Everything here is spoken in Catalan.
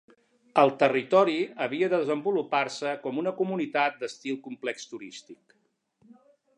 El territori havia de desenvolupar-se com una comunitat d'estil complex turístic.